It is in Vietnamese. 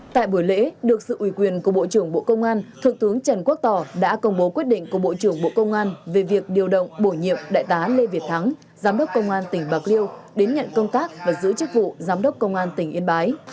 tại buổi lễ được sự uy quyền của bộ trưởng bộ công an thượng tướng trần quốc tỏ đã công bố quyết định của bộ trưởng bộ công an về việc điều động bổ nhiệm đại tá lê việt thắng giám đốc công an tỉnh bạc liêu đến nhận công tác và giữ chức vụ giám đốc công an tỉnh yên bái